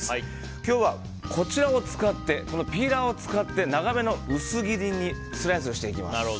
今日は、ピーラーを使って長めの薄切りにスライスしていきます。